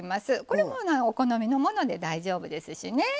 これもお好みのもので大丈夫ですしね。